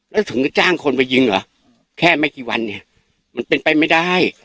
แล้วถึงจะจ้างคนไปยิงเหรอแค่ไม่กี่วันเนี่ยมันเป็นไปไม่ได้